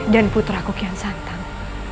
dan putraku kian santang